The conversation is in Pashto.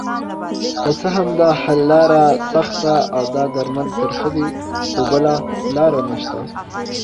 که څه هم داحل لاره سخته اودا درمل ترخه دي خو بله لاره نشته